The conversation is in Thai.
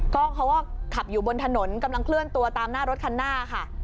ก็เขาก็ขับอยู่บนถนนกำลังเคลื่อนตัวตามหน้ารถคันหน้าค่ะ